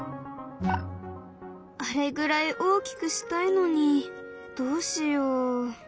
あれぐらい大きくしたいのにどうしよう。